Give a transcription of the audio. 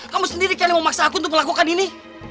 kamu sendiri kali yang mau maksak aku untuk melakukan ini